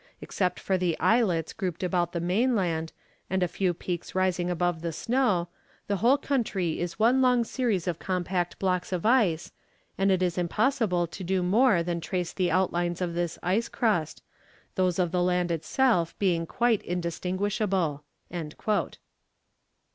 Except for the islets grouped about the mainland, and a few peaks rising above the snow, the whole country is one long series of compact blocks of ice, and it is impossible to do more than trace the outlines of this ice crust, those of the land itself being quite indistinguishable."